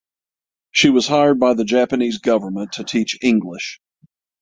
She was hired by the Japanese government to teach English.